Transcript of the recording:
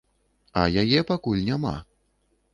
А яе пакуль няма.